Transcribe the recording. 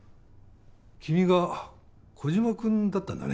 君が小島君だったんだね